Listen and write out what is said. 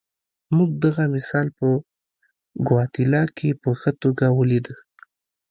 موږ دغه مثال په ګواتیلا کې په ښه توګه ولیده.